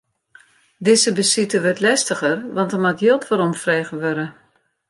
Dizze besite wurdt lestiger, want der moat jild weromfrege wurde.